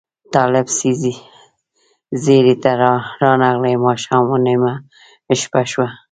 طالب ځیري ته رانغلې ماښام و نیمه شپه شوه